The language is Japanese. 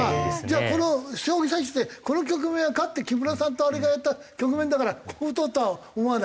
じゃあこの将棋指してこの局面はかつて木村さんとあれがやった局面だからこう打とうとは思わない？